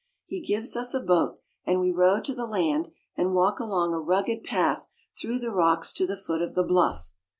He gives us a boat, and we row to the land and walk along a rugged path through the rocks to the foot of the bluff.